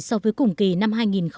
so với cùng kỳ năm hai nghìn một mươi tám